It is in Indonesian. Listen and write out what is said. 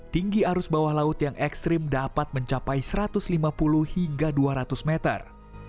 tinggi arus bawah laut yang ekstrim dapat mencapai satu ratus lima puluh hingga dua ratus meter